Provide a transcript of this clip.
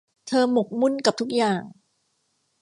เธอหมกมุ่นกับทุกอย่าง